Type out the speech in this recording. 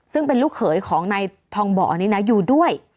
ซึ่งเป็นลูกเขยของนายทองบ่อนี้นะอยู่ด้วย